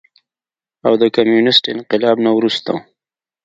او د کميونسټ انقلاب نه وروستو